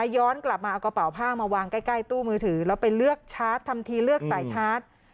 ย้อนกลับมาเอากระเป๋าผ้ามาวางใกล้ตู้มือถือแล้วไปเลือกชาร์จทำทีเลือกสายชาร์จ